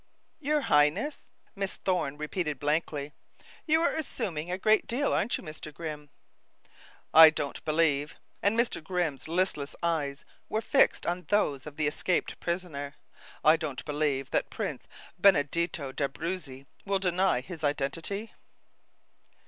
"Your Highness?" Miss Thorne repeated blankly. "You are assuming a great deal, aren't you, Mr. Grimm?" "I don't believe," and Mr. Grimm's listless eyes were fixed on those of the escaped prisoner, "I don't believe that Prince Benedetto d'Abruzzi will deny his identity?"